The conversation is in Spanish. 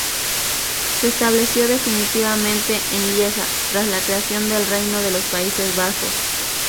Se estableció definitivamente en Lieja tras la creación del Reino de los Países Bajos.